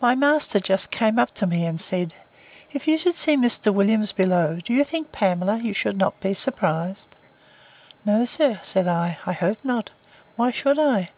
My master just came up to me, and said, If you should see Mr. Williams below, do you think, Pamela, you should not be surprised?—No, sir, said I, I hope not. Why should I?